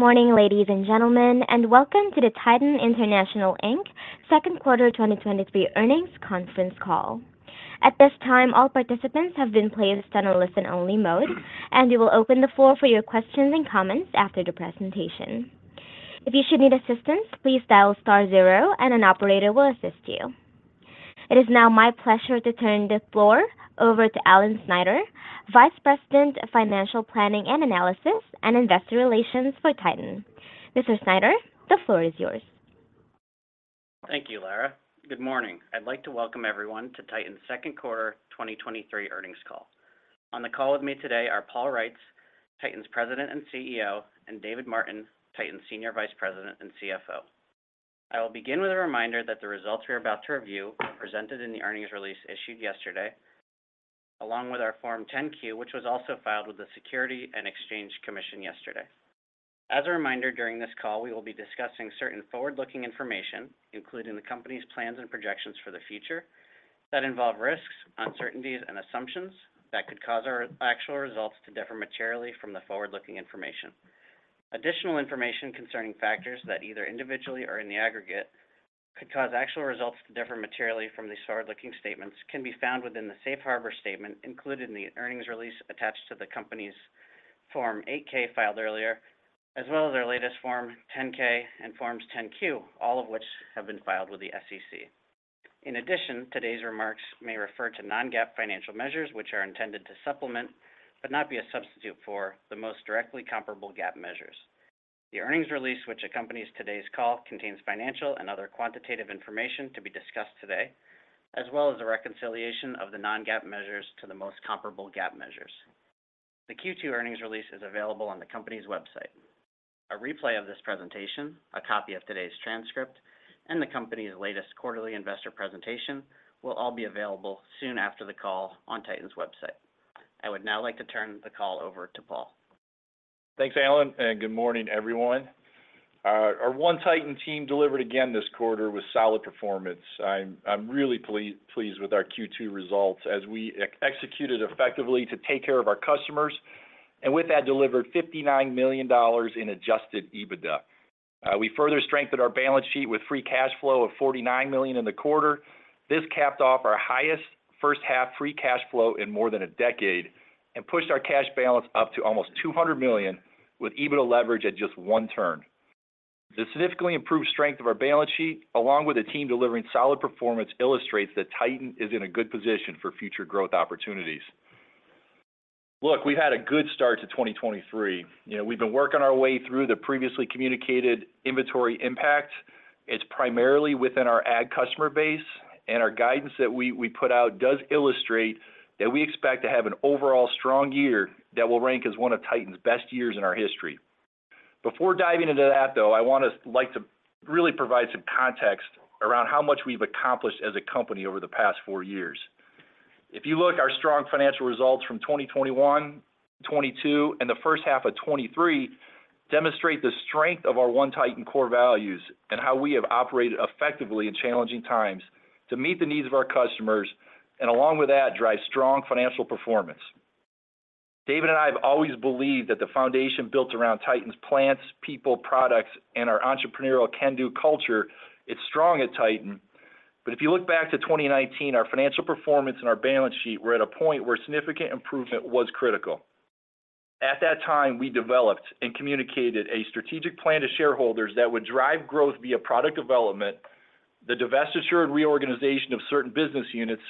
Good morning, ladies and gentlemen, and welcome to the Titan International, Inc.'s Q2 2023 earnings conference call. At this time, all participants have been placed on a listen-only mode, and we will open the floor for your questions and comments after the presentation. If you should need assistance, please dial star zero and an operator will assist you. It is now my pleasure to turn the floor over to Alan Snyder, Vice President of Financial Planning and Analysis and Investor Relations for Titan. Mr. Snyder, the floor is yours. Thank you, Lara. Good morning. I'd like to welcome everyone to Titan's Q2 2023 earnings call. On the call with me today are Paul Reitz, Titan's President and Chief Executive Officer, and David Martin, Titan's Senior Vice President and Chief Financial Officer. I will begin with a reminder that the results we are about to review are presented in the earnings release issued yesterday, along with our Form 10-Q, which was also filed with the Securities and Exchange Commission yesterday. As a reminder, during this call, we will be discussing certain forward-looking information, including the company's plans and projections for the future, that involve risks, uncertainties, and assumptions that could cause our actual results to differ materially from the forward-looking information. Additional information concerning factors that either individually or in the aggregate could cause actual results to differ materially from these forward-looking statements can be found within the safe harbor statement included in the earnings release attached to the company's Form 8-K filed earlier, as well as their latest Form 10-K and Forms 10-Q, all of which have been filed with the SEC. In addition, today's remarks may refer to non-GAAP financial measures, which are intended to supplement, but not be a substitute for, the most directly comparable GAAP measures. The earnings release, which accompanies today's call, contains financial and other quantitative information to be discussed today, as well as a reconciliation of the non-GAAP measures to the most comparable GAAP measures. The Q2 earnings release is available on the company's website. A replay of this presentation, a copy of today's transcript, and the company's latest quarterly investor presentation will all be available soon after the call on Titan's website. I would now like to turn the call over to Paul. Thanks, Alan, and good morning, everyone. Our One Titan team delivered again this quarter with solid performance. I'm really pleased with our Q2 results as we executed effectively to take care of our customers, and with that, delivered $59 million in Adjusted EBITDA. We further strengthened our balance sheet with free cash flow of $49 million in the quarter. This capped off our highest first half free cash flow in more than a decade and pushed our cash balance up to almost $200 million, with EBITDA leverage at just one turn. The significantly improved strength of our balance sheet, along with the team delivering solid performance, illustrates that Titan is in a good position for future growth opportunities. Look, we've had a good start to 2023. You know, we've been working our way through the previously communicated inventory impact. It's primarily within our ag customer base, and our guidance that we put out does illustrate that we expect to have an overall strong year that will rank as one of Titan's best years in our history. Before diving into that, though, I want to, like to really provide some context around how much we've accomplished as a company over the past four years. If you look, our strong financial results from 2021, 2022, and the first half of 2023, demonstrate the strength of our One Titan core values and how we have operated effectively in challenging times to meet the needs of our customers, and along with that, drive strong financial performance. David and I have always believed that the foundation built around Titan's plants, people, products, and our entrepreneurial can-do culture is strong at Titan. If you look back to 2019, our financial performance and our balance sheet were at a point where significant improvement was critical. At that time, we developed and communicated a strategic plan to shareholders that would drive growth via product development, the divestiture and reorganization of certain business units,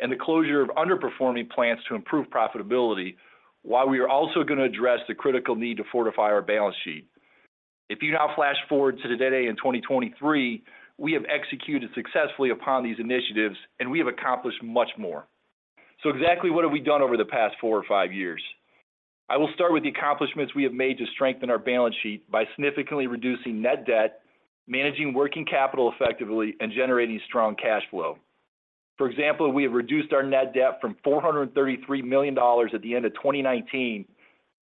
and the closure of underperforming plants to improve profitability, while we are also gonna address the critical need to fortify our balance sheet. If you now flash forward to today in 2023, we have executed successfully upon these initiatives, and we have accomplished much more. Exactly what have we done over the past four or five years? I will start with the accomplishments we have made to strengthen our balance sheet by significantly reducing net debt, managing working capital effectively, and generating strong cash flow. For example, we have reduced our net debt from $433 million at the end of 2019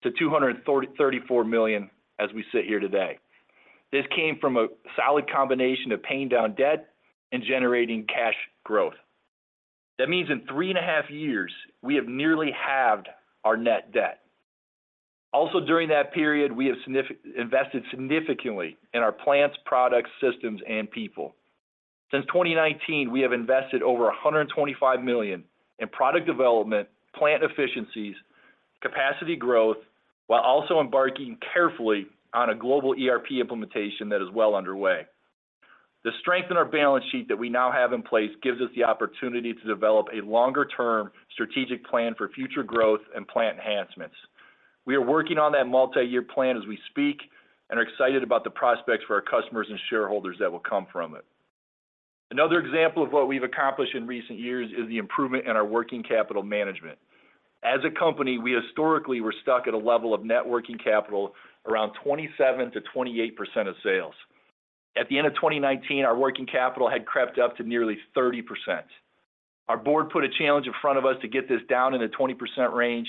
to $234 million as we sit here today. This came from a solid combination of paying down debt and generating cash growth. That means in three and a half years, we have nearly halved our net debt. Also, during that period, we have invested significantly in our plants, products, systems, and people. Since 2019, we have invested over $125 million in product development, plant efficiencies, capacity growth, while also embarking carefully on a global ERP implementation that is well underway. The strength in our balance sheet that we now have in place gives us the opportunity to develop a longer-term strategic plan for future growth and plant enhancements. We are working on that multi-year plan as we speak and are excited about the prospects for our customers and shareholders that will come from it. Another example of what we've accomplished in recent years is the improvement in our working capital management. As a company, we historically were stuck at a level of net working capital around 27%-28% of sales. At the end of 2019, our working capital had crept up to nearly 30%. Our board put a challenge in front of us to get this down in the 20% range.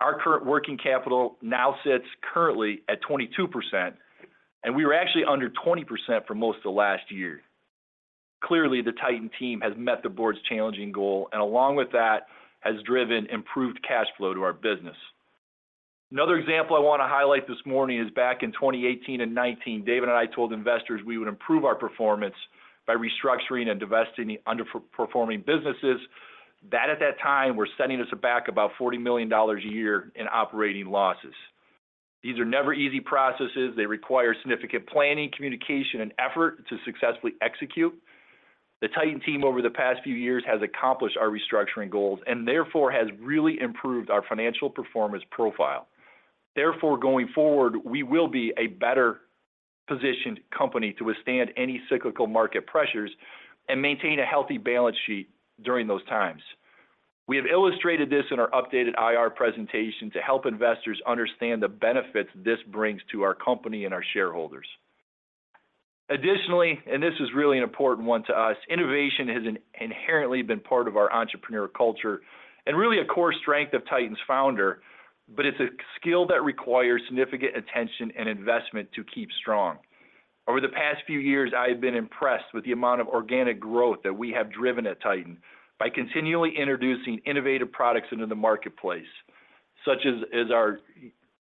Our current working capital now sits currently at 22%, and we were actually under 20% for most of last year. Clearly, the Titan team has met the board's challenging goal, and along with that, has driven improved cash flow to our business. Another example I want to highlight this morning is back in 2018 and 2019, David and I told investors we would improve our performance by restructuring and divesting the underperforming businesses, that at that time, were setting us back about $40 million a year in operating losses. These are never easy processes. They require significant planning, communication, and effort to successfully execute. The Titan team, over the past few years, has accomplished our restructuring goals, and therefore, has really improved our financial performance profile. Therefore, going forward, we will be a better-positioned company to withstand any cyclical market pressures and maintain a healthy balance sheet during those times. We have illustrated this in our updated IR presentation to help investors understand the benefits this brings to our company and our shareholders. Additionally, and this is really an important one to us, innovation has inherently been part of our entrepreneurial culture and really a core strength of Titan's founder, but it's a skill that requires significant attention and investment to keep strong. Over the past few years, I have been impressed with the amount of organic growth that we have driven at Titan by continually introducing innovative products into the marketplace, such as, as our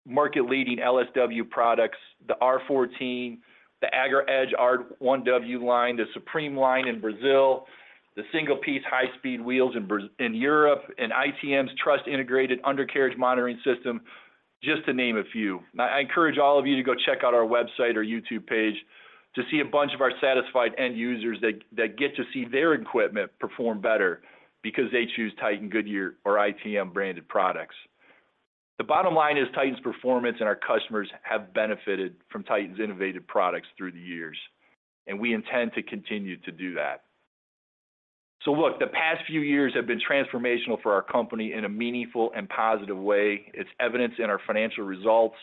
market-leading LSW products, the R14, the AgraEDGE R-1W line, the Supreme line in Brazil, the single-piece high-speed wheels in Europe, and ITM's TRUST integrated undercarriage monitoring system, just to name a few. I encourage all of you to go check out our website or YouTube page to see a bunch of our satisfied end users that get to see their equipment perform better because they choose Titan, Goodyear, or ITM branded products. The bottom line is Titan's performance and our customers have benefited from Titan's innovative products through the years. We intend to continue to do that. Look, the past few years have been transformational for our company in a meaningful and positive way. It's evidenced in our financial results.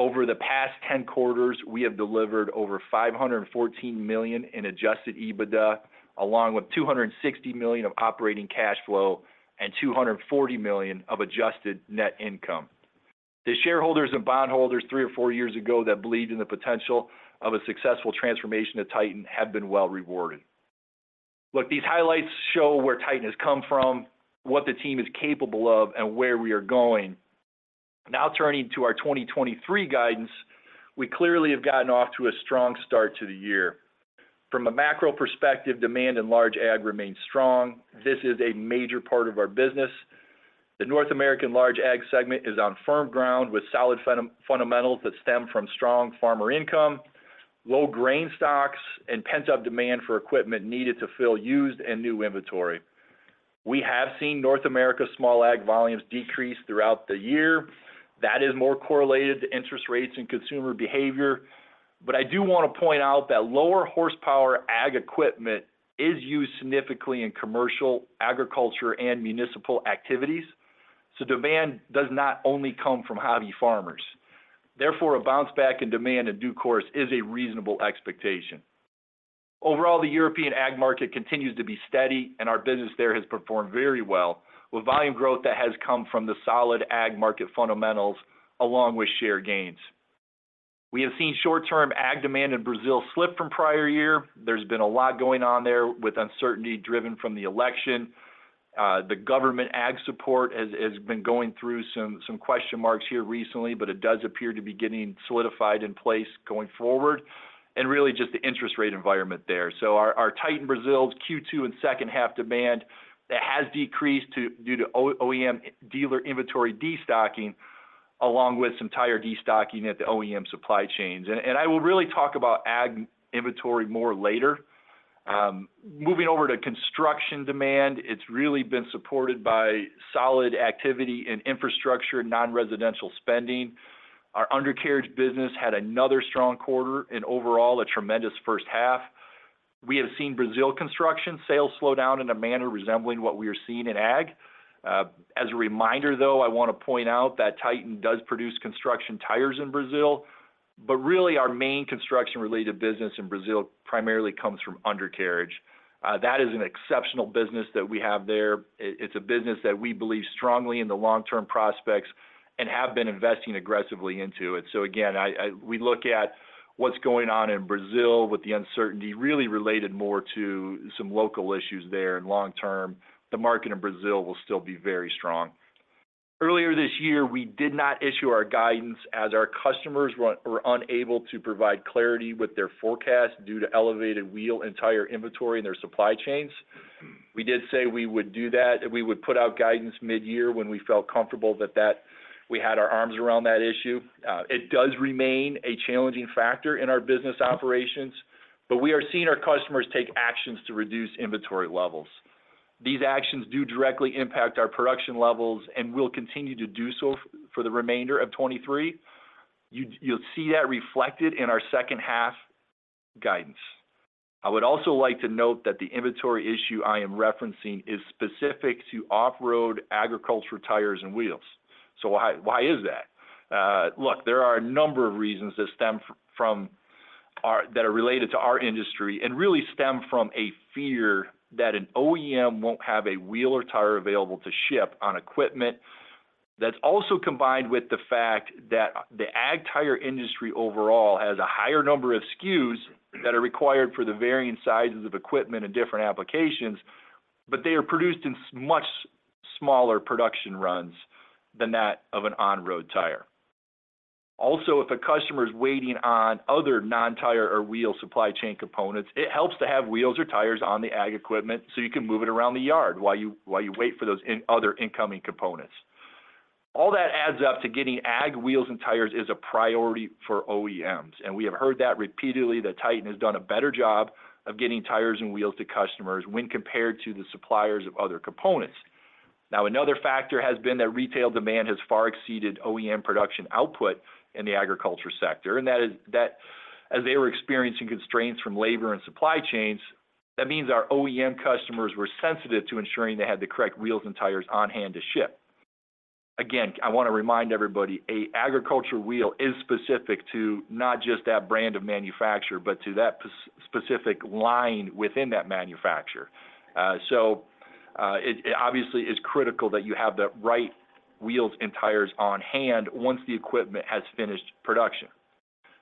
Over the past 10 quarters, we have delivered over $514 million in adjusted EBITDA, along with $260 million of operating cash flow and $240 million of adjusted net income. The shareholders and bondholders three or four years ago that believed in the potential of a successful transformation at Titan have been well rewarded. Look, these highlights show where Titan has come from, what the team is capable of, and where we are going. Now, turning to our 2023 guidance, we clearly have gotten off to a strong start to the year. From a macro perspective, demand in large ag remains strong. This is a major part of our business. The North American large ag segment is on firm ground with solid fundamentals that stem from strong farmer income, low grain stocks, and pent-up demand for equipment needed to fill used and new inventory. We have seen North America small ag volumes decrease throughout the year. That is more correlated to interest rates and consumer behavior. I do want to point out that lower horsepower ag equipment is used significantly in commercial, agriculture, and municipal activities, so demand does not only come from hobby farmers. Therefore, a bounce back in demand in due course is a reasonable expectation. Overall, the European ag market continues to be steady, and our business there has performed very well, with volume growth that has come from the solid ag market fundamentals, along with share gains. We have seen short-term ag demand in Brazil slip from prior year. There's been a lot going on there, with uncertainty driven from the election. The government ag support has been going through some question marks here recently, but it does appear to be getting solidified in place going forward, and really just the interest rate environment there. Our Titan Brazil's Q2 and second half demand, that has decreased due to OEM dealer inventory destocking, along with some tire destocking at the OEM supply chains. I will really talk about ag inventory more later. Moving over to construction demand, it's really been supported by solid activity in infrastructure and non-residential spending. Our undercarriage business had another strong quarter and overall, a tremendous first half. We have seen Brazil construction sales slow down in a manner resembling what we are seeing in ag. As a reminder, though, I want to point out that Titan does produce construction tires in Brazil, but really, our main construction-related business in Brazil primarily comes from undercarriage. That is an exceptional business that we have there. It's a business that we believe strongly in the long-term prospects and have been investing aggressively into it. Again, We look at what's going on in Brazil with the uncertainty, really related more to some local issues there, and long term, the market in Brazil will still be very strong. Earlier this year, we did not issue our guidance as our customers were unable to provide clarity with their forecast due to elevated wheel and tire inventory in their supply chains. We did say we would do that, we would put out guidance mid-year when we felt comfortable that we had our arms around that issue. It does remain a challenging factor in our business operations, but we are seeing our customers take actions to reduce inventory levels. These actions do directly impact our production levels and will continue to do so for the remainder of 2023. You'll see that reflected in our second half guidance. I would also like to note that the inventory issue I am referencing is specific to off-road agriculture tires and wheels. Why is that? Look, there are a number of reasons that are related to our industry and really stem from a fear that an OEM won't have a wheel or tire available to ship on equipment. That's also combined with the fact that the ag tire industry overall has a higher number of SKUs that are required for the varying sizes of equipment and different applications, but they are produced in much smaller production runs than that of an on-road tire. If a customer is waiting on other non-tire or wheel supply chain components, it helps to have wheels or tires on the ag equipment, so you can move it around the yard while you wait for those other incoming components. All that adds up to getting Ag wheels and tires is a priority for OEMs. We have heard that repeatedly, that Titan has done a better job of getting tires and wheels to customers when compared to the suppliers of other components. Another factor has been that retail demand has far exceeded OEM production output in the agriculture sector. That is, that as they were experiencing constraints from labor and supply chains, that means our OEM customers were sensitive to ensuring they had the correct wheels and tires on hand to ship. I want to remind everybody, a agriculture wheel is specific to not just that brand of manufacturer, but to that spec-specific line within that manufacturer. It obviously is critical that you have the right wheels and tires on hand once the equipment has finished production.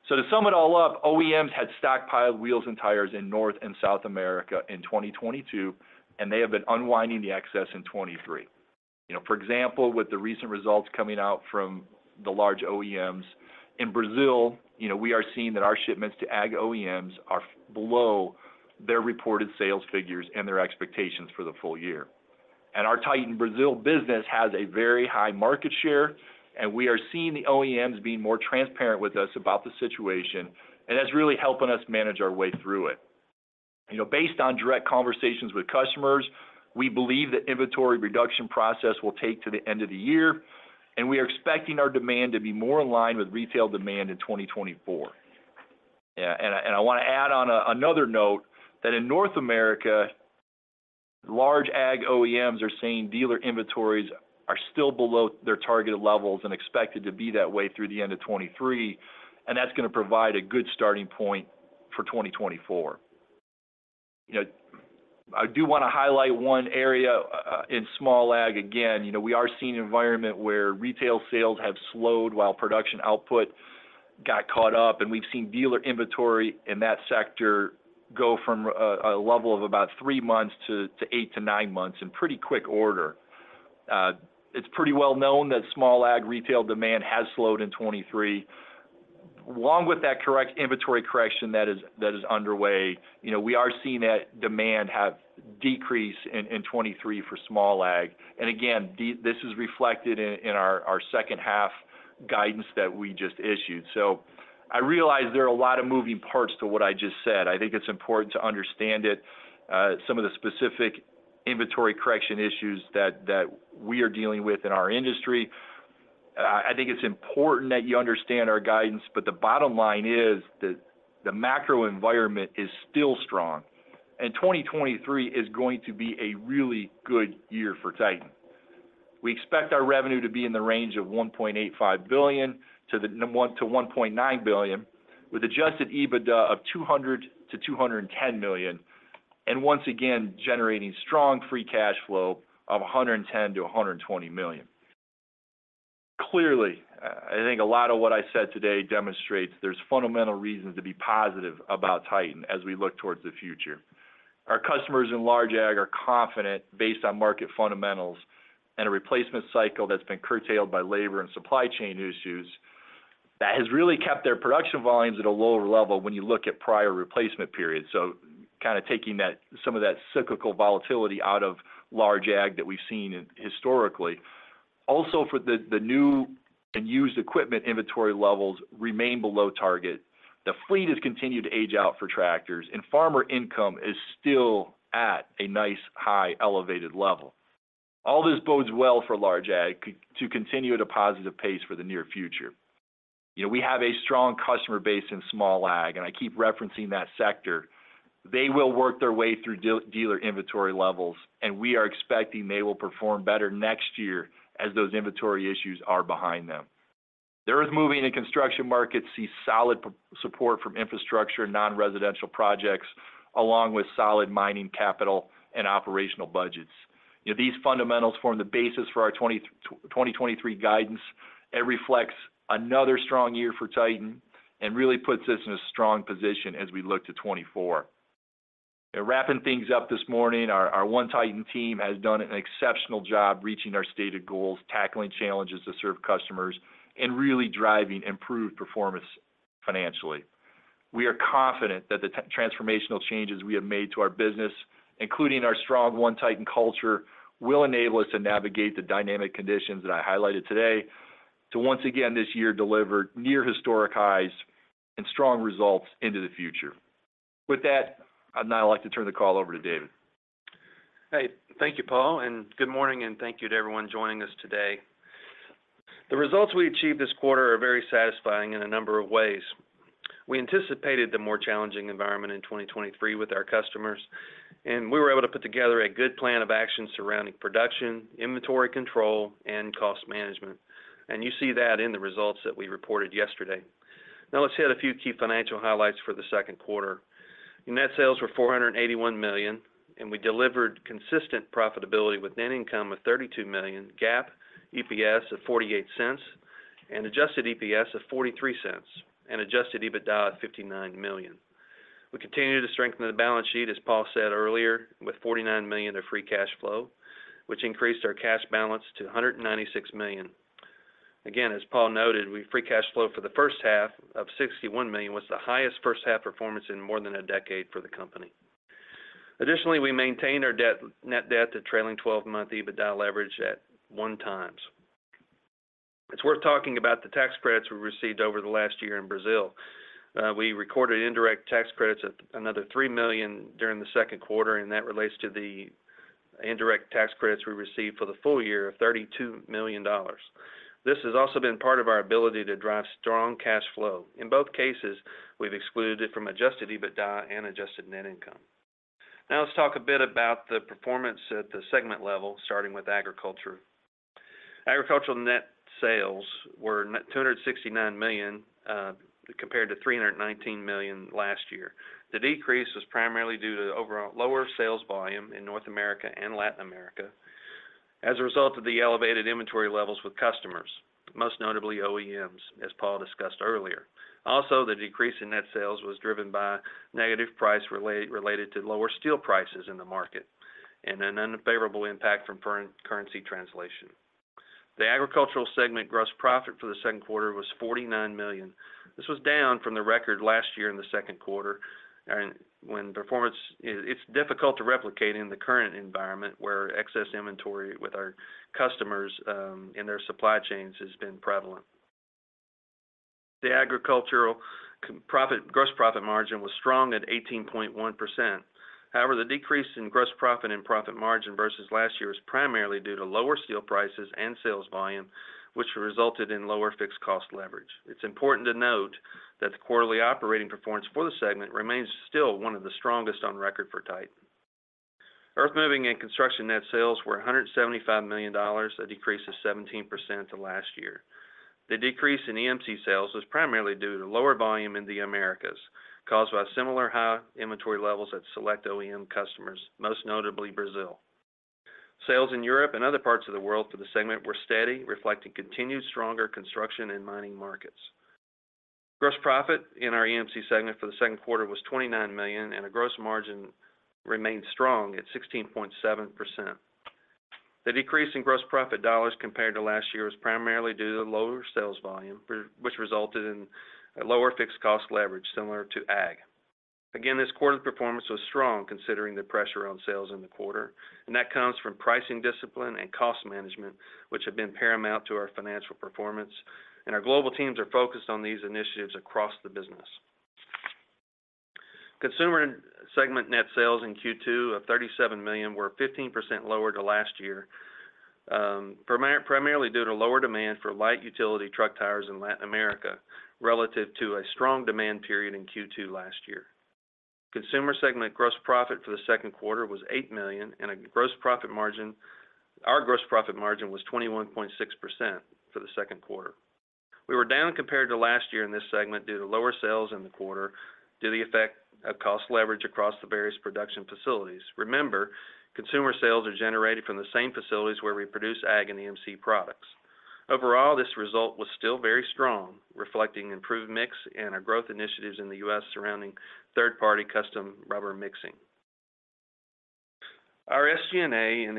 To sum it all up, OEMs had stockpiled wheels and tires in North and South America in 2022, and they have been unwinding the excess in 2023. You know, for example, with the recent results coming out from the large OEMs in Brazil, you know, we are seeing that our shipments to ag OEMs are below their reported sales figures and their expectations for the full year. Our Titan Brazil business has a very high market share, and we are seeing the OEMs being more transparent with us about the situation, and that's really helping us manage our way through it. You know, based on direct conversations with customers, we believe the inventory reduction process will take to the end of the year, and we are expecting our demand to be more in line with retail demand in 2024. Yeah, and I, and I want to add on another note, that in North America, large ag OEMs are saying dealer inventories are still below their targeted levels and expected to be that way through the end of 2023, and that's gonna provide a good starting point for 2024. You know, I do want to highlight one area in small ag again. You know, we are seeing an environment where retail sales have slowed while production output got caught up, and we've seen dealer inventory in that sector go from a level of about three months to eight to nine months in pretty quick order. It's pretty well known that small ag retail demand has slowed in 2023. Along with that correct inventory correction that is underway, you know, we are seeing that demand have decreased in 2023 for small ag. Again, this is reflected in our second half guidance that we just issued. I realize there are a lot of moving parts to what I just said. I think it's important to understand it, some of the specific inventory correction issues that we are dealing with in our industry. I think it's important that you understand our guidance, the bottom line is that the macro environment is still strong, 2023 is going to be a really good year for Titan. We expect our revenue to be in the range of $1.85 billion-$1.9 billion, with Adjusted EBITDA of $200 million-$210 million, and once again, generating strong free cash flow of $110 million-$120 million. Clearly, I think a lot of what I said today demonstrates there's fundamental reasons to be positive about Titan as we look towards the future. Our customers in large ag are confident based on market fundamentals and a replacement cycle that's been curtailed by labor and supply chain issues, that has really kept their production volumes at a lower level when you look at prior replacement periods. Kind of taking that, some of that cyclical volatility out of large ag that we've seen historically. For the new and used equipment, inventory levels remain below target. The fleet has continued to age out for tractors, and farmer income is still at a nice, high, elevated level. All this bodes well for large to continue at a positive pace for the near future. You know, we have a strong customer base in small ag, and I keep referencing that sector. They will work their way through de-dealer inventory levels, and we are expecting they will perform better next year as those inventory issues are behind them. There is movement in the construction market, see solid support from infrastructure, non-residential projects, along with solid mining capital and operational budgets. You know, these fundamentals form the basis for our 2023 guidance. It reflects another strong year for Titan and really puts us in a strong position as we look to 2024. Wrapping things up this morning, our, our One Titan team has done an exceptional job reaching our stated goals, tackling challenges to serve customers, and really driving improved performance financially. We are confident that the transformational changes we have made to our business, including our strong One Titan culture, will enable us to navigate the dynamic conditions that I highlighted today, to once again, this year, deliver near historic highs and strong results into the future. With that, I'd now like to turn the call over to David. Hey, thank you, Paul, good morning, and thank you to everyone joining us today. The results we achieved this quarter are very satisfying in a number of ways. We anticipated the more challenging environment in 2023 with our customers, we were able to put together a good plan of action surrounding production, inventory control, and cost management. You see that in the results that we reported yesterday. Now let's hit a few key financial highlights for the Q2. Net sales were $481 million, we delivered consistent profitability with net income of $32 million, GAAP, EPS of $0.48, adjusted EPS of $0.43, and Adjusted EBITDA of $59 million. We continued to strengthen the balance sheet, as Paul said earlier, with $49 million of free cash flow, which increased our cash balance to $196 million. Again, as Paul noted, free cash flow for the first half of $61 million was the highest first-half performance in more than a decade for the company. Additionally, we maintained our debt, net debt to trailing 12-month EBITDA leverage at 1x. It's worth talking about the tax credits we received over the last year in Brazil. We recorded indirect tax credits at another $3 million during Q2, and that relates to the indirect tax credits we received for the full year of $32 million. This has also been part of our ability to drive strong cash flow. In both cases, we've excluded it from Adjusted EBITDA and adjusted net income. Now, let's talk a bit about the performance at the segment level, starting with agriculture. Agricultural net sales were net $269 million compared to $319 million last year. The decrease was primarily due to the overall lower sales volume in North America and Latin America as a result of the elevated inventory levels with customers, most notably OEMs, as Paul discussed earlier. The decrease in net sales was driven by negative price related to lower steel prices in the market and an unfavorable impact from currency translation. The agricultural segment gross profit for the Q2 was $49 million. This was down from the record last year in the Q2, and when performance, it's difficult to replicate in the current environment, where excess inventory with our customers in their supply chains has been prevalent. The agricultural profit, gross profit margin was strong at 18.1%. However, the decrease in gross profit and profit margin versus last year was primarily due to lower steel prices and sales volume, which resulted in lower fixed cost leverage. It's important to note that the quarterly operating performance for the segment remains still one of the strongest on record for Titan. Earthmoving and construction net sales were $175 million, a decrease of 17% to last year. The decrease in EMC sales was primarily due to lower volume in the Americas, caused by similar high inventory levels at select OEM customers, most notably Brazil. Sales in Europe and other parts of the world for the segment were steady, reflecting continued stronger construction and mining markets. Gross profit in our EMC segment for the Q2 was $29 million, and a gross margin remained strong at 16.7%. The decrease in gross profit dollars compared to last year was primarily due to lower sales volume, which resulted in a lower fixed cost leverage similar to ag. This quarter's performance was strong considering the pressure on sales in the quarter, and that comes from pricing discipline and cost management, which have been paramount to our financial performance, and our global teams are focused on these initiatives across the business. Consumer segment net sales in Q2 of $37 million were 15% lower to last year, primarily due to lower demand for light utility truck tires in Latin America, relative to a strong demand period in Q2 last year. Consumer segment gross profit for the Q2 was $8 million, and our gross profit margin was 21.6% for the Q2. We were down compared to last year in this segment due to lower sales in the quarter, due to the effect of cost leverage across the various production facilities. Remember, consumer sales are generated from the same facilities where we produce ag and EMC products. Overall, this result was still very strong, reflecting improved mix and our growth initiatives in the U.S. surrounding third-party custom rubber mixing. Our SG&A and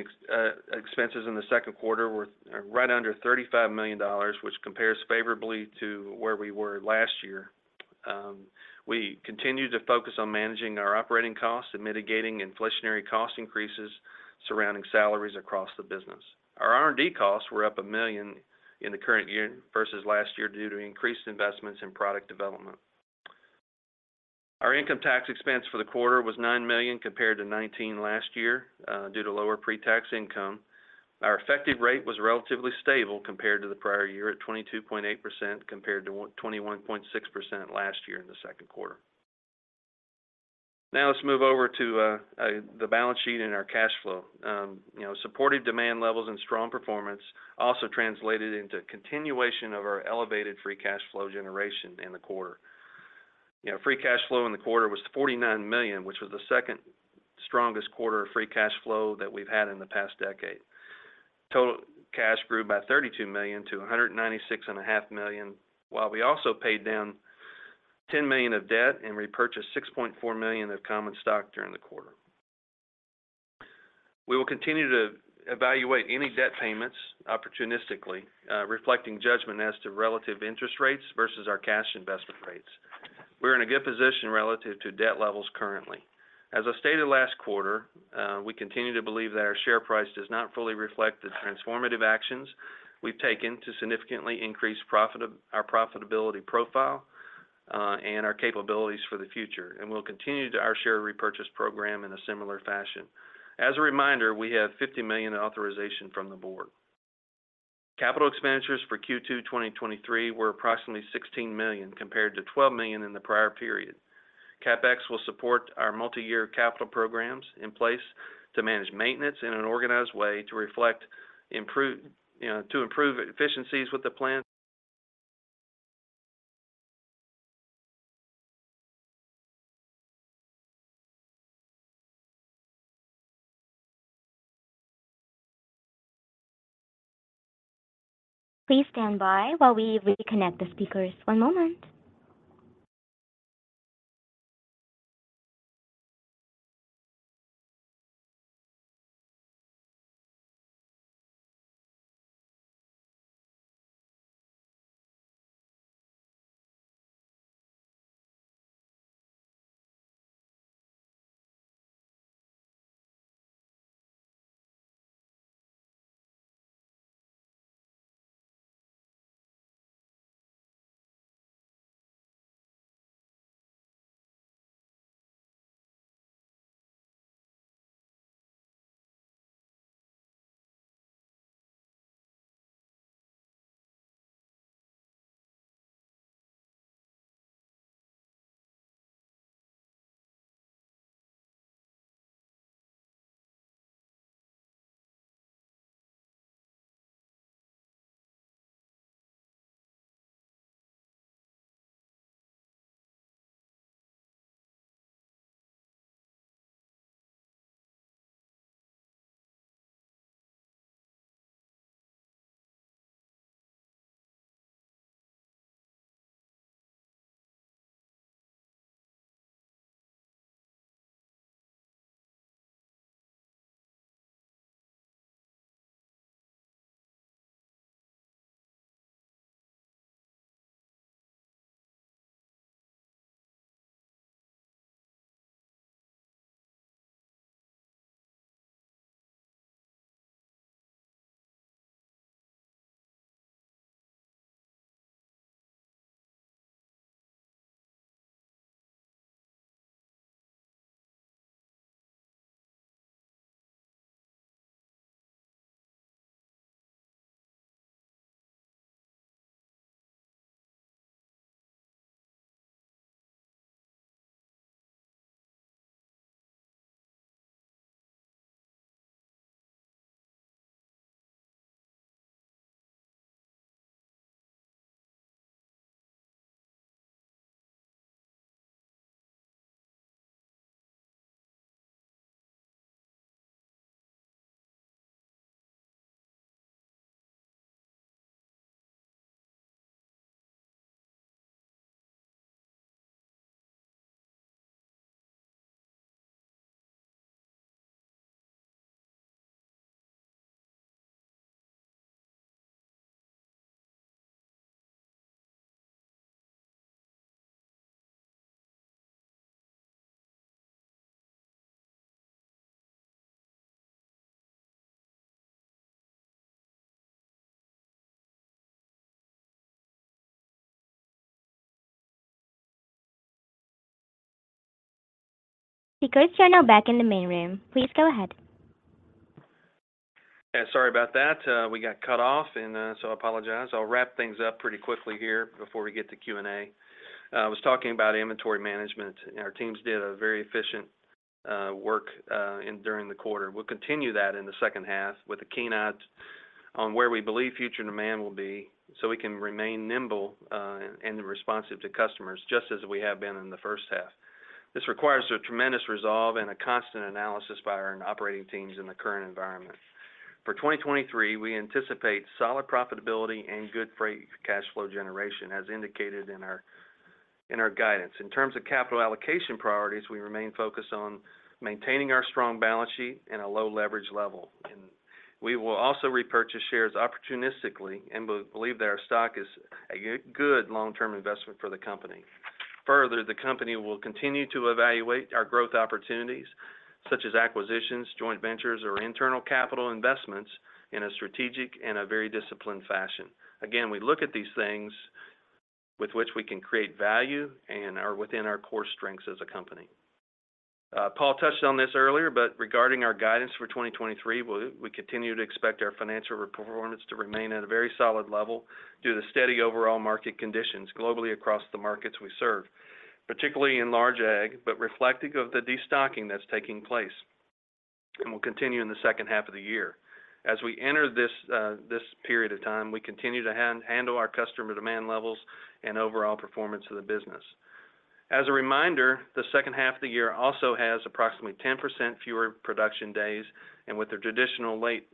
expenses in the Q2 were right under $35 million, which compares favorably to where we were last year. We continued to focus on managing our operating costs and mitigating inflationary cost increases surrounding salaries across the business. Our R&D costs were up $1 million in the current year versus last year due to increased investments in product development. Our income tax expense for the quarter was $9 million, compared to $19 million last year, due to lower pre-tax income. Our effective rate was relatively stable compared to the prior year, at 22.8%, compared to 21.6% last year in the Q2. Let's move over to the balance sheet and our cash flow. You know, supported demand levels and strong performance also translated into continuation of our elevated free cash flow generation in the quarter. You know, free cash flow in the quarter was $49 million, which was the second strongest quarter of free cash flow that we've had in the past decade. Total cash grew by $32 million to $196.5 million, while we also paid down $10 million of debt and repurchased $6.4 million of common stock during the quarter. We will continue to evaluate any debt payments opportunistically, reflecting judgment as to relative interest rates versus our cash investment rates. We're in a good position relative to debt levels currently. As I stated last quarter, we continue to believe that our share price does not fully reflect the transformative actions we've taken to significantly increase our profitability profile and our capabilities for the future. We'll continue our share repurchase program in a similar fashion. As a reminder, we have $50 million authorization from the Board. Capital expenditures for Q2 2023 were approximately $16 million, compared to $12 million in the prior period. Because you're now back in the main room, please go ahead. Yeah, sorry about that. We got cut off. I apologize. I'll wrap things up pretty quickly here before we get to Q&A. I was talking about inventory management. Our teams did a very efficient work in during the quarter. We'll continue that in the second half with a keen eye on where we believe future demand will be, so we can remain nimble and responsive to customers, just as we have been in the first half. This requires a tremendous resolve and a constant analysis by our operating teams in the current environment. For 2023, we anticipate solid profitability and good free cash flow generation, as indicated in our, in our guidance. In terms of capital allocation priorities, we remain focused on maintaining our strong balance sheet and a low leverage level. We will also repurchase shares opportunistically and believe that our stock is a good long-term investment for the company. Further, the company will continue to evaluate our growth opportunities, such as acquisitions, joint ventures, or internal capital investments in a strategic and a very disciplined fashion. Again, we look at these things with which we can create value and are within our core strengths as a company. Paul touched on this earlier, but regarding our guidance for 2023, we continue to expect our financial performance to remain at a very solid level due to the steady overall market conditions globally across the markets we serve, particularly in large ag, but reflective of the destocking that's taking place and will continue in the second half of the year. As we enter this period of time, we continue to handle our customer demand levels and overall performance of the business. As a reminder, the second half of the year also has approximately 10% fewer production days, and with the traditional late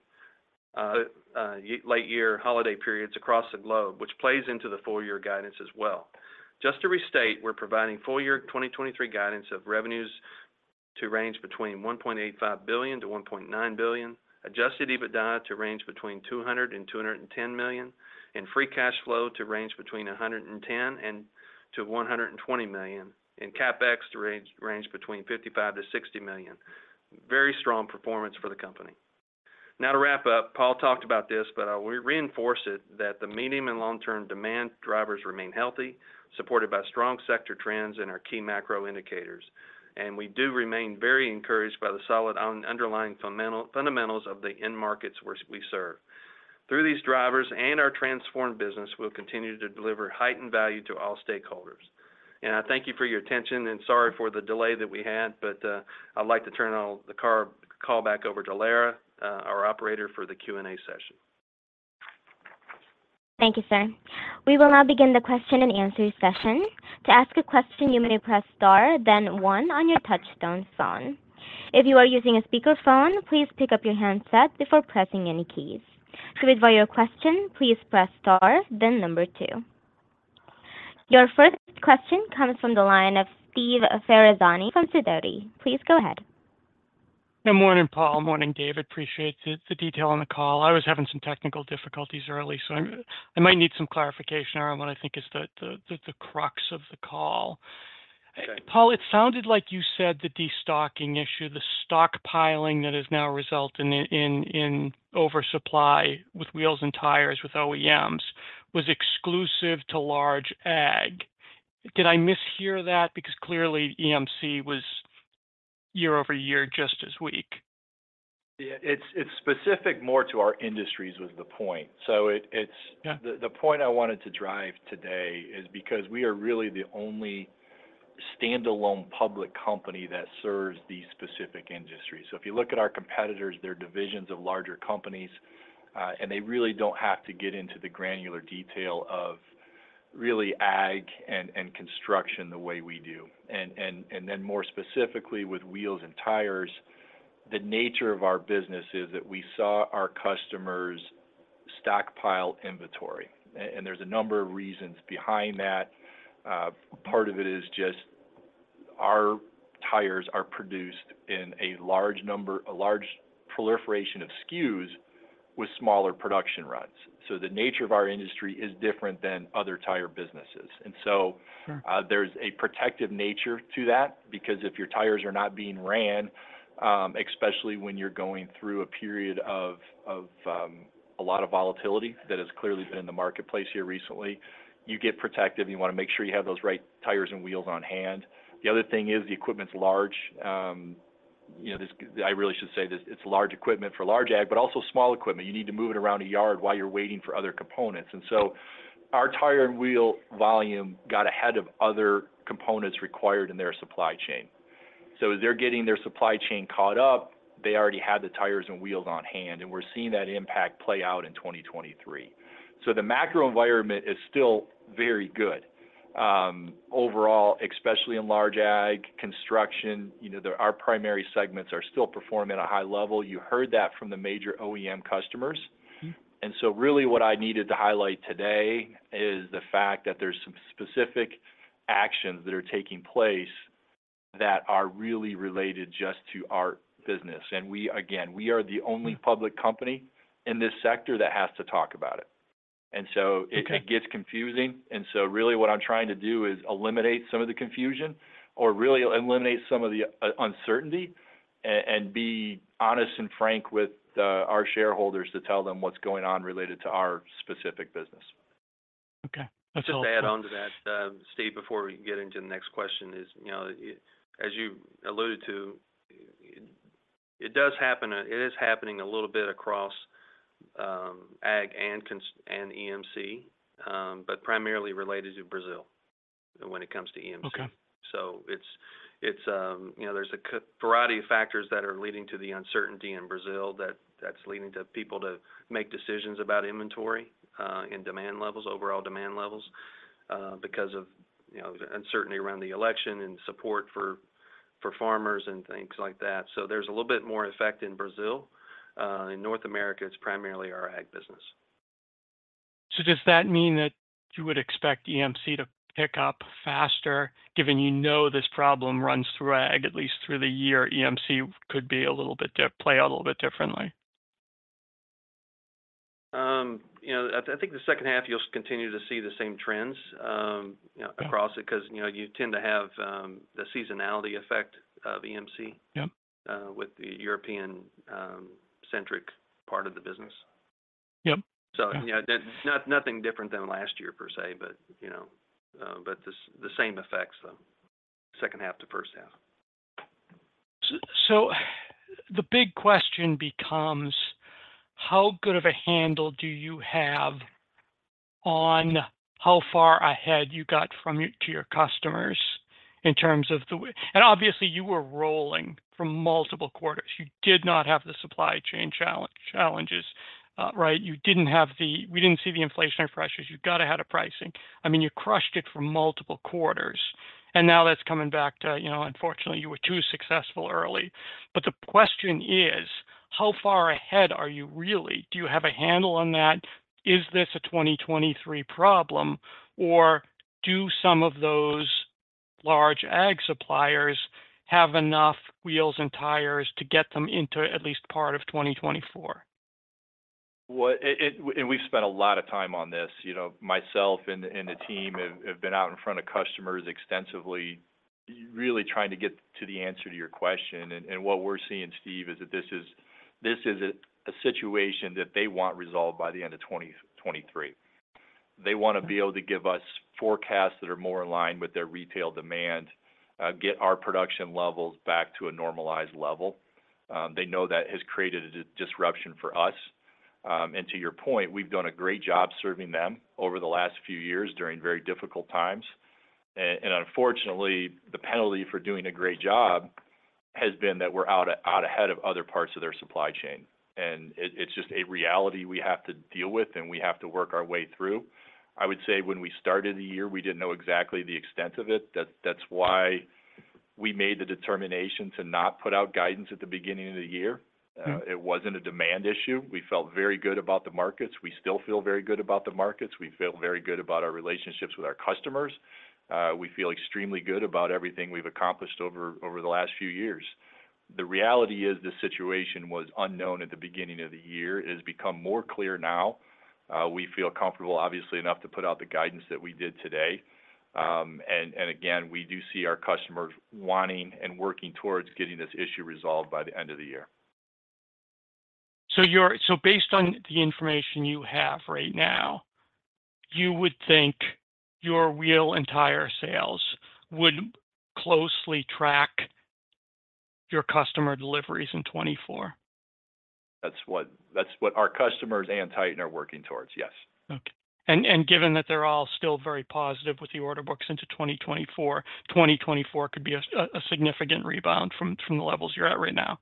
year holiday periods across the globe, which plays into the full year guidance as well. Just to restate, we're providing full year 2023 guidance of revenues to range between $1.85 billion-$1.9 billion, Adjusted EBITDA to range between $200 million-$210 million, and free cash flow to range between $110 million-$120 million, and CapEx to range between $55 million-$60 million. Very strong performance for the company. Now to wrap up, Paul talked about this, but I will reinforce it that the medium and long-term demand drivers remain healthy, supported by strong sector trends and our key macro indicators. We do remain very encouraged by the solid underlying fundamentals of the end markets which we serve. Through these drivers and our transformed business, we'll continue to deliver heightened value to all stakeholders. I thank you for your attention, and sorry for the delay that we had, I'd like to turn all the call back over to Lara, our operator for the Q&A session. Thank you, sir. We will now begin the Q&A session. To ask a question, you may press Star, then 1 on your touchtone phone. If you are using a speakerphone, please pick up your handset before pressing any keys. To withdraw your question, please press Star, then number two. Your first question comes from the line of Steve Ferazani from Sidoti. Please go ahead. Good morning, Paul. Morning, Dave. Appreciate the detail on the call. I was having some technical difficulties early, so I might need some clarification around what I think is the crux of the call. Okay. Paul, it sounded like you said the destocking issue, the stockpiling that has now resulted in oversupply with wheels and tires, with OEMs, was exclusive to large ag. Did I mishear that? Clearly, EMC was year-over-year, just as weak. Yeah, it's specific more to our industries, was the point. Yeah. The point I wanted to drive today is because we are really the only standalone public company that serves these specific industries. If you look at our competitors, they're divisions of larger companies, and they really don't have to get into the granular detail of really Ag and construction the way we do. Then more specifically with wheels and tires, the nature of our business is that we saw our customers stockpile inventory. There's a number of reasons behind that. Part of it is just our tires are produced in a large proliferation of SKUs with smaller production runs. The nature of our industry is different than other tire businesses. Sure. And so there's a protective nature to that because if your tires are not being ran, especially when you're going through a period of a lot of volatility, that has clearly been in the marketplace here recently, you get protective. You want to make sure you have those right tires and wheels on hand. The other thing is the equipment's large. you know, this I really should say this, it's large equipment for large ag, but also small equipment. You need to move it around a yard while you're waiting for other components. Our tire and wheel volume got ahead of other components required in their supply chain. As they're getting their supply chain caught up, they already had the tires and wheels on hand, and we're seeing that impact play out in 2023. The macro environment is still very good. Overall, especially in large ag, construction, you know, our primary segments are still performing at a high level. You heard that from the major OEM customers. So really what I needed to highlight today is the fact that there's some specific actions that are taking place that are really related just to our business. We, again, we are the only public company in this sector that has to talk about it. Okay. It gets confusing, and so really what I'm trying to do is eliminate some of the confusion or really eliminate some of the uncertainty, and be honest and frank with our shareholders to tell them what's going on related to our specific business. Okay. That's all. Just to add on to that, Steve, before we get into the next question, is, you know, as you alluded to, it does happen, it is happening a little bit across, ag and EMC, but primarily related to Brazil when it comes to EMC. Okay. It's, you know, there's a variety of factors that are leading to the uncertainty in Brazil that's leading to people to make decisions about inventory, and demand levels, overall demand levels, because of, you know, the uncertainty around the election and support for farmers and things like that. There's a little bit more effect in Brazil. In North America, it's primarily our ag business. Does that mean that you would expect EMC to pick up faster, given you know this problem runs through ag, at least through the year, EMC could be a little bit play out a little bit differently? you know, I think the second half, you'll continue to see the same trends, you know- Yeah.... across it, because, you know, you tend to have, the seasonality effect of EMC. Yeah. With the European, centric part of the business. Yep. Yeah, nothing different than last year per se, but, you know, but the same effects, though, second half to first half. So the big question becomes, how good of a handle do you have on how far ahead you got to your customers in terms of the way—and obviously, you were rolling from multiple quarters. You did not have the supply chain challenges, right? We didn't see the inflationary pressures. You got ahead of pricing. I mean, you crushed it for multiple quarters, and now that's coming back to, you know, unfortunately, you were too successful early. The question is, how far ahead are you really? Do you have a handle on that? Is this a 2023 problem, or do some of those large ag suppliers have enough wheels and tires to get them into at least part of 2024? What it, we've spent a lot of time on this. You know, myself and the team have been out in front of customers extensively, really trying to get to the answer to your question. What we're seeing, Steve, is that this is a situation that they want resolved by the end of 2023. They wanna be able to give us forecasts that are more in line with their retail demand, get our production levels back to a normalized level. They know that has created a disruption for us. To your point, we've done a great job serving them over the last few years during very difficult times. Unfortunately, the penalty for doing a great job has been that we're out ahead of other parts of their supply chain. It, it's just a reality we have to deal with, and we have to work our way through. I would say when we started the year, we didn't know exactly the extent of it. That's why we made the determination to not put out guidance at the beginning of the year. It wasn't a demand issue. We felt very good about the markets. We still feel very good about the markets. We feel very good about our relationships with our customers. We feel extremely good about everything we've accomplished over the last few years. The reality is, this situation was unknown at the beginning of the year. It has become more clear now. We feel comfortable, obviously, enough to put out the guidance that we did today. And again, we do see our customers wanting and working towards getting this issue resolved by the end of the year. Based on the information you have right now, you would think your wheel and tire sales would closely track your customer deliveries in 2024? That's what our customers and Titan are working towards, yes. Okay. And given that they're all still very positive with the order books into 2024, 2024 could be a significant rebound from the levels you're at right now?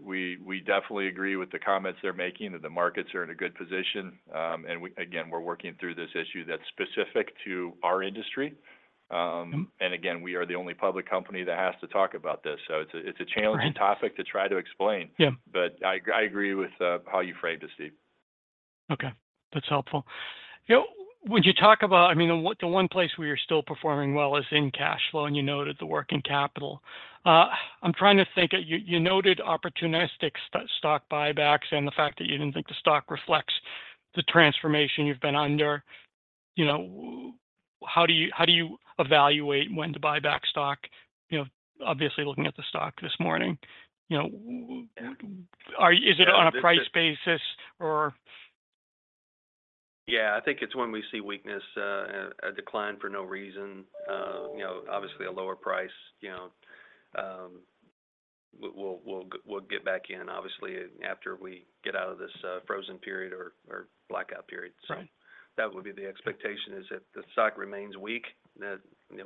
We, definitely agree with the comments they're making, that the markets are in a good position. Again, we're working through this issue that's specific to our industry. Again, we are the only public company that has to talk about this, so it's a challenging- Right.... topic to try to explain. Yeah. I agree with how you framed it, Steve. Okay. That's helpful. You know, when you talk about... I mean, the one place where you're still performing well is in cash flow, and you noted the working capital. I'm trying to think. You, you noted opportunistic stock buybacks and the fact that you didn't think the stock reflects the transformation you've been under. You know, how do you, how do you evaluate when to buy back stock? You know, obviously, looking at the stock this morning, you know, Yeah. Is it on a price basis, or? Yeah, I think it's when we see weakness, a decline for no reason. You know, obviously a lower price, you know, we'll get back in. Obviously, after we get out of this, frozen period, or blackout period. Right. That would be the expectation, is if the stock remains weak, then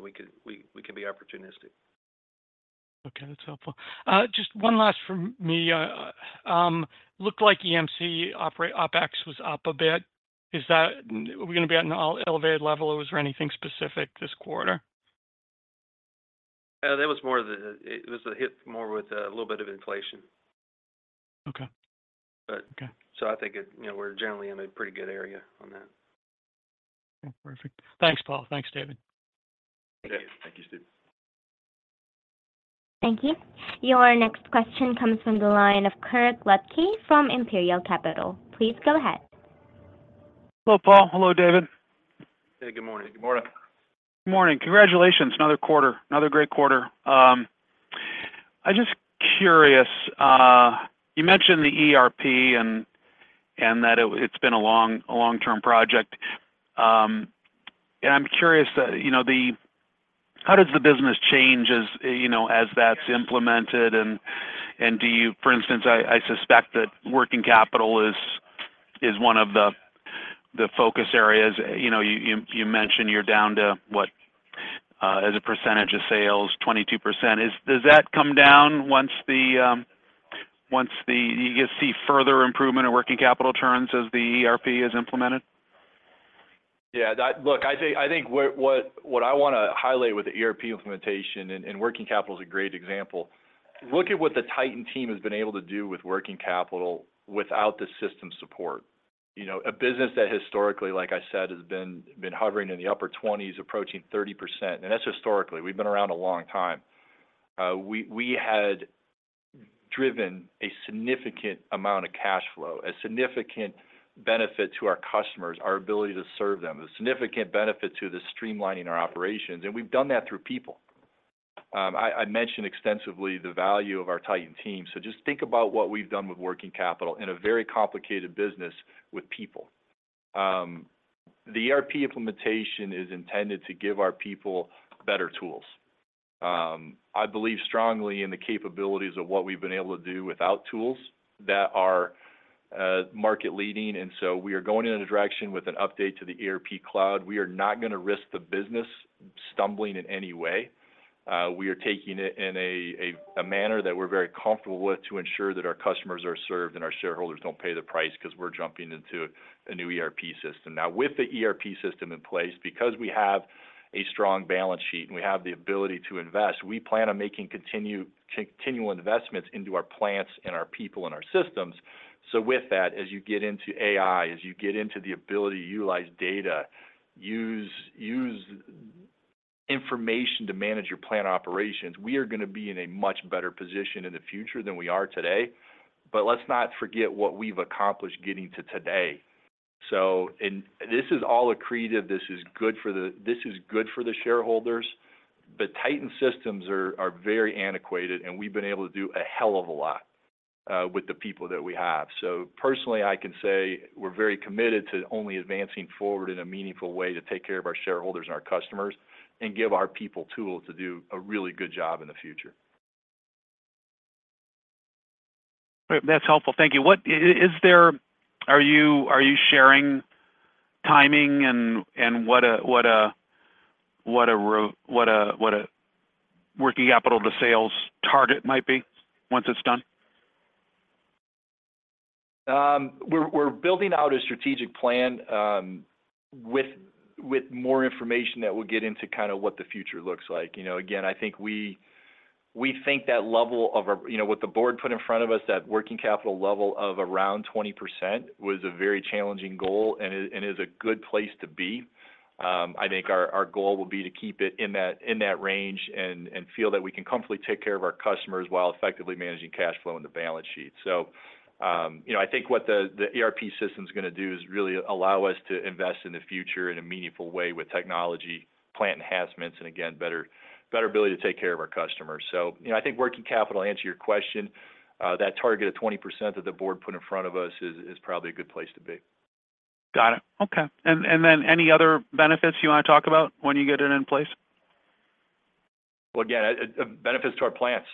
we can be opportunistic. Okay, that's helpful. Just one last from me. Looked like EMC OpEx was up a bit. Is that, are we gonna be at an all elevated level, or was there anything specific this quarter? That was more of it was a hit more with a little bit of inflation. Okay. But- Okay.... so I think it, you know, we're generally in a pretty good area on that. Okay, perfect. Thanks, Paul. Thanks, David. Thank you. Thank you, Steve. Thank you. Your next question comes from the line of Kirk Ludtke from Imperial Capital. Please go ahead. Hello, Paul. Hello, David. Hey, good morning. Good morning. Good morning. Congratulations, another quarter, another great quarter. I'm just curious, you mentioned the ERP and that it's been a long-term project. I'm curious, you know, how does the business change as, you know, as that's implemented? Do you, for instance, I suspect that working capital is one of the focus areas. You know, you mentioned you're down to what? As a percentage of sales, 22%. Does that come down? You see further improvement in working capital terms as the ERP is implemented? Yeah, that... Look, I think what I wanna highlight with the ERP implementation, and working capital is a great example. Look at what the Titan team has been able to do with working capital without the system support. You know, a business that historically, like I said, has been hovering in the upper 20s, approaching 30%, and that's historically. We've been around a long time. We had driven a significant amount of cash flow, a significant benefit to our customers, our ability to serve them, a significant benefit to the streamlining our operations, and we've done that through people. I mentioned extensively the value of our Titan team, so just think about what we've done with working capital in a very complicated business with people. The ERP implementation is intended to give our people better tools. I believe strongly in the capabilities of what we've been able to do without tools that are market leading, and so we are going in a direction with an update to the ERP cloud. We are not going to risk the business stumbling in any way. We are taking it in a manner that we're very comfortable with to ensure that our customers are served, and our shareholders don't pay the price because we're jumping into a new ERP system. Now, with the ERP system in place, because we have a strong balance sheet and we have the ability to invest, we plan on making continual investments into our plants and our people and our systems. With that, as you get into AI, as you get into the ability to utilize data, use information to manage your plant operations, we are gonna be in a much better position in the future than we are today. Let's not forget what we've accomplished getting to today. And this is all accretive. This is good for the shareholders. Titan systems are very antiquated, and we've been able to do a hell of a lot with the people that we have. Personally, I can say we're very committed to only advancing forward in a meaningful way to take care of our shareholders and our customers, and give our people tools to do a really good job in the future. That's helpful. Thank you. Are you sharing timing and what a working capital to sales target might be once it's done? We're building out a strategic plan with more information that will get into kind of what the future looks like. You know, again, I think we, we think that level of our, you know, what the board put in front of us, that working capital level of around 20% was a very challenging goal and it is a good place to be. I think our goal will be to keep it in that range and feel that we can comfortably take care of our customers while effectively managing cash flow on the balance sheet. You know, I think what the ERP system is gonna do is really allow us to invest in the future in a meaningful way with technology, plant enhancements, and again, better ability to take care of our customers. You know, I think working capital, to answer your question, that target of 20% that the board put in front of us is, is probably a good place to be. Got it. Okay. Then any other benefits you wanna talk about when you get it in place? Well, again, benefits to our plants.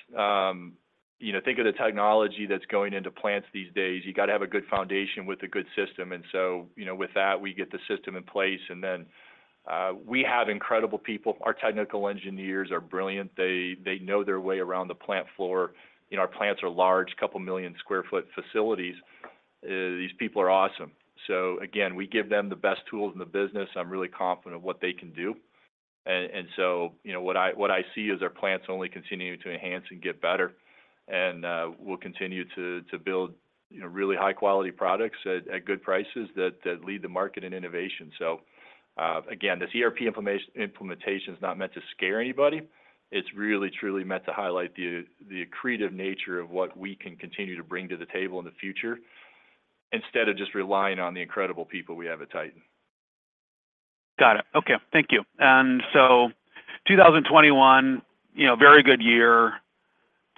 You know, think of the technology that's going into plants these days. You got to have a good foundation with a good system, and so, you know, with that, we get the system in place, and then, we have incredible people. Our technical engineers are brilliant. They know their way around the plant floor. You know, our plants are large, 2 million sq ft facilities. These people are awesome. So again, we give them the best tools in the business. I'm really confident of what they can do. And so, you know, what I, what I see is our plants only continuing to enhance and get better. We'll continue to build, you know, really high-quality products at good prices that lead the market in innovation. Again, this ERP implementation is not meant to scare anybody. It's really, truly meant to highlight the accretive nature of what we can continue to bring to the table in the future, instead of just relying on the incredible people we have at Titan. Got it. Okay, thank you. 2021, you know, very good year.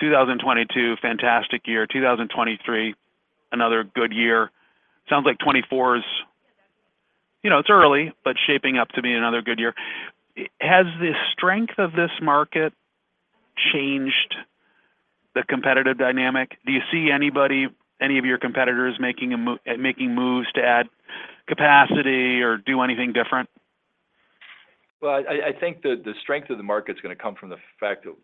2022, fantastic year. 2023, another good year. Sounds like 2024 is. You know, it's early, but shaping up to be another good year. Has the strength of this market changed the competitive dynamic? Do you see anybody, any of your competitors making moves to add capacity or do anything different? Well, I think the, the strength of the market is gonna come from the fact of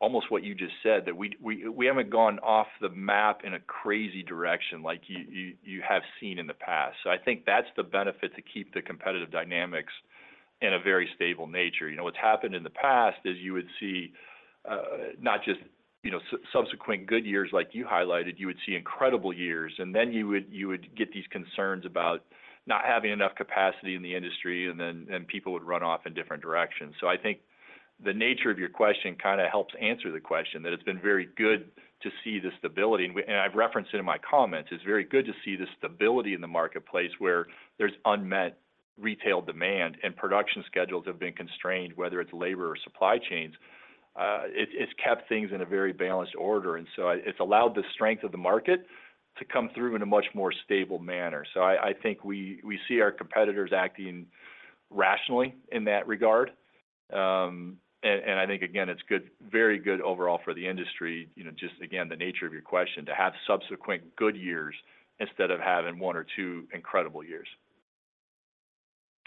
almost what you just said, that we haven't gone off the map in a crazy direction like you have seen in the past. I think that's the benefit to keep the competitive dynamics in a very stable nature. You know, what's happened in the past is you would see, not just, you know, subsequent good years like you highlighted, you would see incredible years, and then you would, you would get these concerns about not having enough capacity in the industry, and then people would run off in different directions. I think the nature of your question kinda helps answer the question, that it's been very good to see the stability, and I've referenced it in my comments. It's very good to see the stability in the marketplace where there's unmet retail demand, and production schedules have been constrained, whether it's labor or supply chains. It's kept things in a very balanced order, and so it's allowed the strength of the market to come through in a much more stable manner. I think we see our competitors acting rationally in that regard. I think, again, it's good, very good overall for the industry, you know, just again, the nature of your question, to have subsequent good years instead of having one or two incredible years.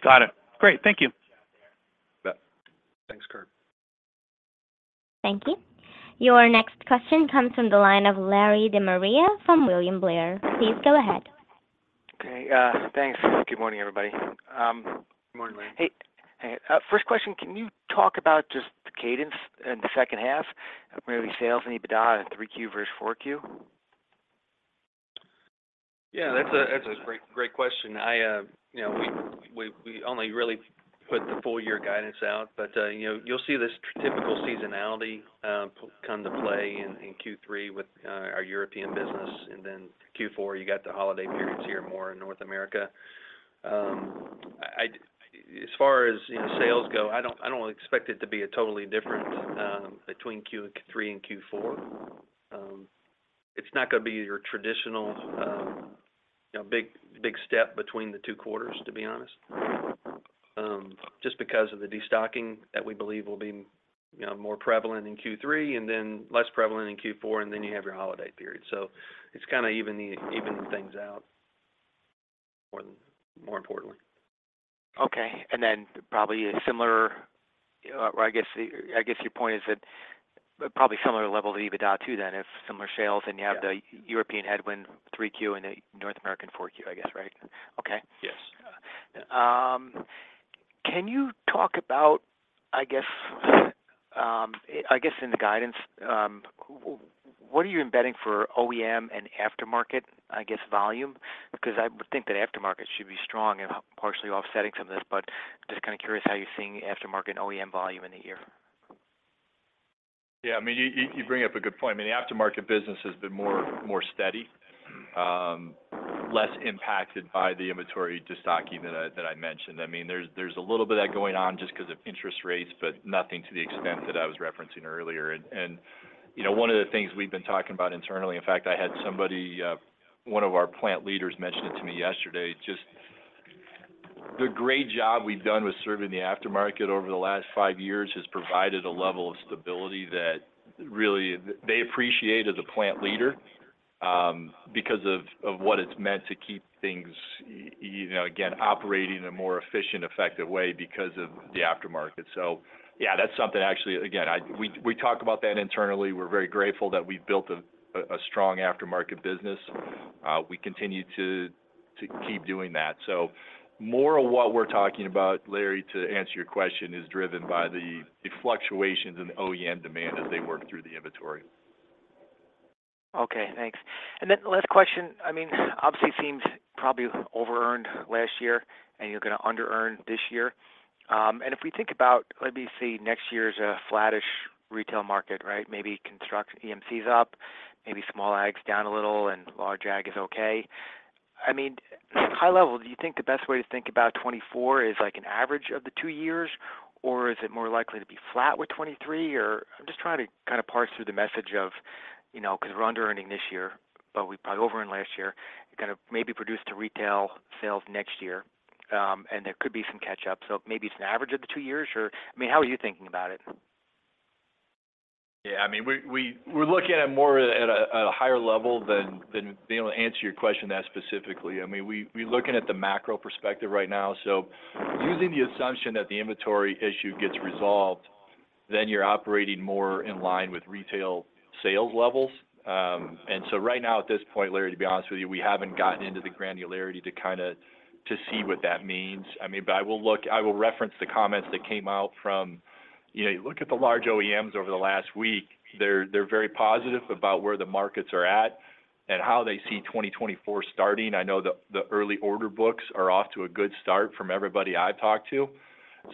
Got it. Great. Thank you. Yeah. Thanks, Kirk. Thank you. Your next question comes from the line of Larry De Maria from William Blair. Please go ahead. Okay. thanks. Good morning, everybody. Good morning, Lara. Hey, hey. First question, can you talk about just the cadence in the second half, maybe sales and EBITDA in 3Q versus 4Q? Yeah, that's a great, great question. I, you know, we only really put the full year guidance out. You know, you'll see this typical seasonality come to play in, in Q3 with our European business. Then Q4, you got the holiday periods here more in North America. As far as, you know, sales go, I don't expect it to be a totally different between Q3 and Q4. It's not gonna be your traditional, you know, big, big step between the two quarters, to be honest, just because of the destocking that we believe will be, you know, more prevalent in Q3 and then less prevalent in Q4, and then you have your holiday period. It's kinda even the—evening things out more importantly. Okay. Probably a similar, or I guess, your point is that probably similar level to EBITDA, too, then, if similar sales, and you have- Yeah.... the European headwind 3Q and the North American 4Q, I guess. Right? Okay. Yes. Can you talk about, I guess, I guess in the guidance, what are you embedding for OEM and aftermarket, I guess, volume? Because I would think that aftermarket should be strong and partially offsetting some of this, but just kinda curious how you're seeing aftermarket and OEM volume in the year. Yeah, I mean, you bring up a good point. I mean, the aftermarket business has been more steady, less impacted by the inventory destocking that I mentioned. I mean, there's a little bit of that going on just 'cause of interest rates, but nothing to the extent that I was referencing earlier. You know, one of the things we've been talking about internally, in fact, I had somebody, one of our plant leaders mention it to me yesterday, just the great job we've done with serving the aftermarket over the last five years has provided a level of stability that really, they appreciate as a plant leader, because of what it's meant to keep things, you know, again, operating in a more efficient, effective way because of the aftermarket. Yeah, that's something actually, again, we, we talk about that internally. We're very grateful that we've built a strong aftermarket business. We continue to keep doing that. More of what we're talking about, Larry, to answer your question, is driven by the fluctuations in the OEM demand as they work through the inventory. Okay, thanks. Then the last question, I mean, obviously, it seems probably overearned last year, and you're gonna under earn this year. If we think about, let me see, next year's a flattish retail market, right? Maybe construct EMCs up, maybe small ags down a little, and large ag is okay. I mean, high level, do you think the best way to think about 2024 is like an average of the two years? Is it more likely to be flat with 2023? I'm just trying to kind of parse through the message of, you know, 'cause we're under earning this year, but we probably over earned last year, kind of maybe produce to retail sales next year, and there could be some catch up. Maybe it's an average of the two years, or, I mean, how are you thinking about it? Yeah, I mean, we're looking at it more at a higher level than be able to answer your question that specifically. I mean, we're looking at the macro perspective right now. Using the assumption that the inventory issue gets resolved, then you're operating more in line with retail sales levels. Right now, at this point, Lara, to be honest with you, we haven't gotten into the granularity to kind of to see what that means. I mean, I will look. I will reference the comments that came out from you know, you look at the large OEMs over the last week, they're very positive about where the markets are at and how they see 2024 starting. I know the early order books are off to a good start from everybody I've talked to.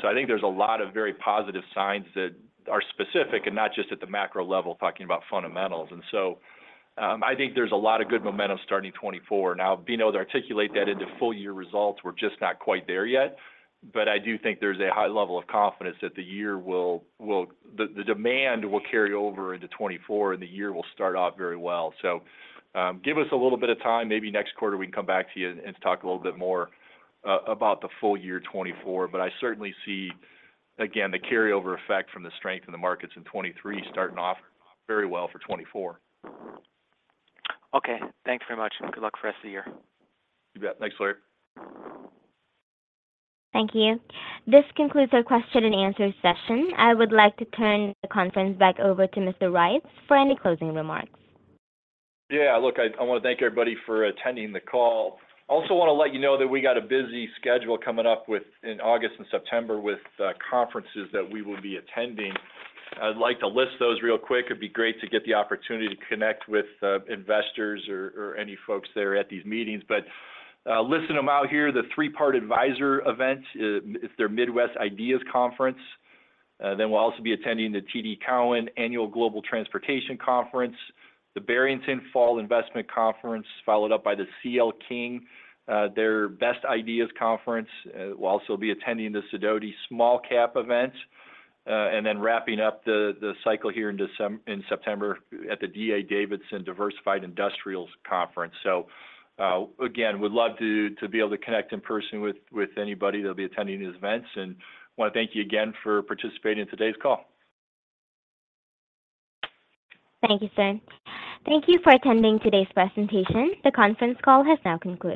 I think there's a lot of very positive signs that are specific and not just at the macro level, talking about fundamentals. I think there's a lot of good momentum starting in 2024. Now, being able to articulate that into full year results, we're just not quite there yet. I do think there's a high level of confidence that the year will, the demand will carry over into 2024, and the year will start off very well. Give us a little bit of time. Maybe next quarter, we can come back to you and talk a little bit more about the full year 2024. I certainly see, again, the carryover effect from the strength in the markets in 2023 starting off very well for 2024. Okay, thanks very much, and good luck for the rest of the year. You bet. Thanks, Lara. Thank you. This concludes our Q&A session. I would like to turn the conference back over to Mr. Reitz for any closing remarks. Yeah, look, I wanna thank everybody for attending the call. I also wanna let you know that we got a busy schedule coming up in August and September with conferences that we will be attending. I'd like to list those real quick. It'd be great to get the opportunity to connect with investors, or any folks that are at these meetings. Listing them out here, the Three Part Advisor event, it's their Midwest Ideas Conference. We'll also be attending the TD Cowen Annual Global Transportation Conference, the Barrington Fall Investment Conference, followed up by the CL King, their Best Ideas Conference. We'll also be attending the Sidoti Small Cap event, then wrapping up the cycle here in September at the D.A. Davidson Diversified Industrials Conference. Again, would love to be able to connect in person with anybody that'll be attending these events, and wanna thank you again for participating in today's call. Thank you, sir. Thank you for attending today's presentation. The conference call has now concluded.